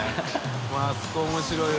發あそこ面白いわ。